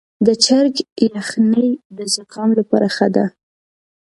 د چرګ یخني د زکام لپاره ښه ده.